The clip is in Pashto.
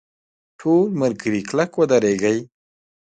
ټول ملګري کلک ودرېږئ!.